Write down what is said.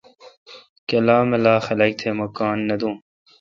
کلا ملا خلق تہ مہ کان نہ دوں۔